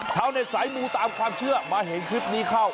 ชาวเน็ตสายมูตามความเชื่อมาเห็นคลิปนี้เข้า